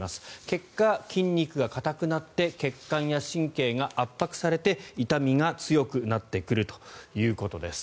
結果、筋肉が硬くなって血管や神経が圧迫されて痛みが強くなってくるということです。